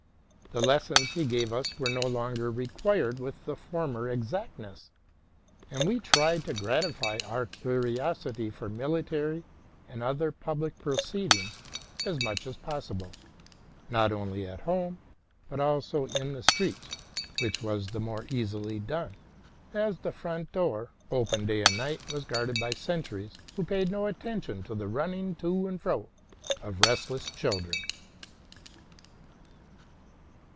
The lessons he gave us were no longer required with the former exactness ; and we tried to gratify our curiosity for military and other public proceed ings as much as possible, not only at home, but also in the streets, which was the more easily done, as the front door, open day and night, was guarded by sentries who paid no attention to the running to and fro of restless chiidren.